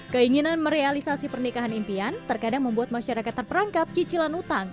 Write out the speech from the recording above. keinginan merealisasi pernikahan impian terkadang membuat masyarakat terperangkap cicilan utang